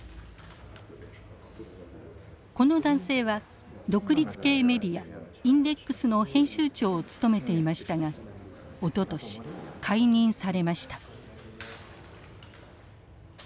この男性は独立系メディアインデックスの編集長を務めていましたがおととし解任されました。